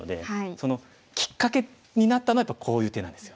そのきっかけになったのはやっぱりこういう手なんですよ。